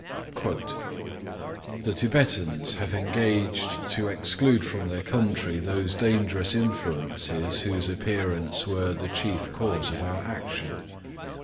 (3) "The Tibetans have engaged to exclude from their country those dangerous influences whose appearance were the chief cause of our action."